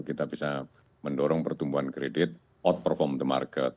kita bisa mendorong pertumbuhan kredit outperform the market